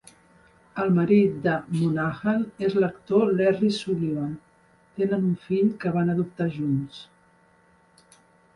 El marit de Monahan és l'actor Larry Sullivan; tenen un fill que van adoptar junts.